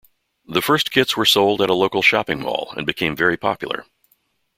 The first kits were sold at a local shopping mall and became very popular.